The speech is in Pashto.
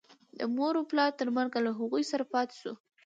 د مور و پلار تر مرګه له هغو سره پاتې شو.